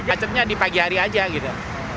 macetnya di pagi hari aja gitu